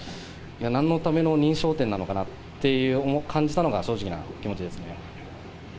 なんのための認証店なのかなって感じたのが正直な気持ちですね。